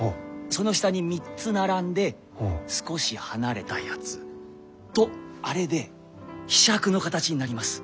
その下に３つ並んで少し離れたやつとあれで柄杓の形になります。